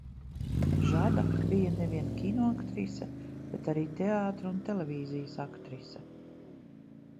Žada bija ne vien kinoaktrise, bet arī teātra un televīzijas aktrise.